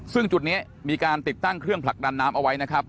ซึ่งจุดนี้มีการติดตั้งเครื่องผลักดันน้ำเอาไว้นะครับ